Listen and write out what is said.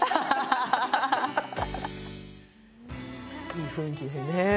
いい雰囲気ですね。